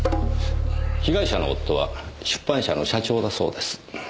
被害者の夫は出版社の社長だそうです。